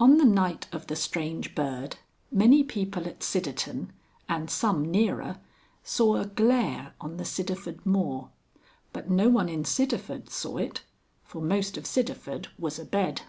I. On the Night of the Strange Bird, many people at Sidderton (and some nearer) saw a Glare on the Sidderford moor. But no one in Sidderford saw it, for most of Sidderford was abed.